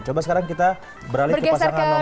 coba sekarang kita beralih ke pasangan nomor satu